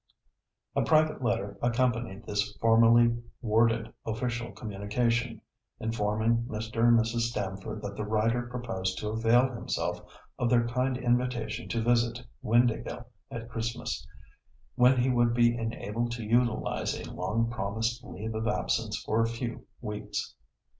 A private letter accompanied this formally worded official communication, informing Mr. and Mrs. Stamford that the writer proposed to avail himself of their kind invitation to visit Windāhgil at Christmas, when he would be enabled to utilise a long promised leave of absence for a few weeks.